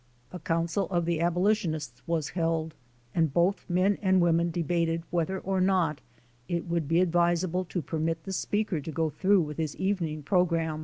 A council of the abolitionists was held, and both men and women debated whether or not it would be advisable to permit the speaker to go through with his evening program.